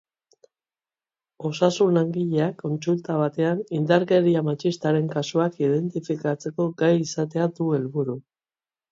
Osasun-langileak kontsulta batean indarkeria matxistaren kasuak identifikatzeko gai izatea du helburu.